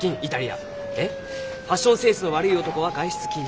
ファッションセンスの悪い男は外出禁止